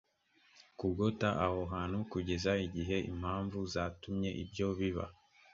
kugota aho hantu kugeza igihe impamvu zatumye ibyo biba